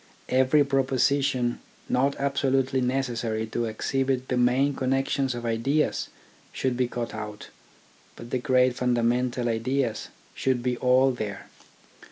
Every proposition not absolutely necessary to exhibit the main connection of ideas should be cut out, but the great fundamental ideas should be all there.